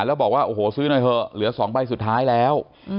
แล้วบอกว่าโอ้โหซื้อหน่อยเถอะเหลือ๒ใบสุดท้ายแล้ว